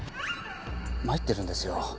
参ってるんですよ